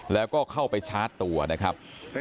แล้วก็เข้าไปชาร์จตัวนะครับ